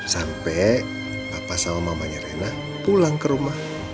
sampai papa sama mamanya rina pulang ke rumah